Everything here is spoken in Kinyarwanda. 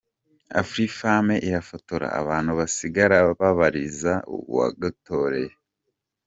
Afrifame irafotora, abantu bagasigara babaririza uwagutororeye.